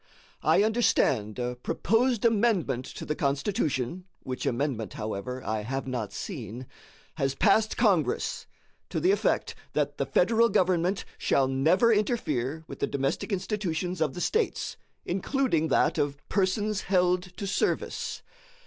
I understand a proposed amendment to the Constitution which amendment, however, I have not seen has passed Congress, to the effect that the Federal Government shall never interfere with the domestic institutions of the States, including that of persons held to service.